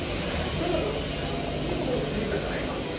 さくら君いいとこに気付いたじゃないか。